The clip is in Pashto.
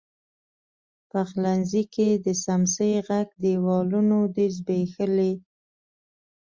پخلنځي کې د څمڅۍ ږغ، دیوالونو دی زبیښلي